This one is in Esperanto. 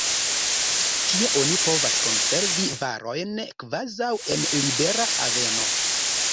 Tie oni povas konservi varojn kvazaŭ en libera haveno.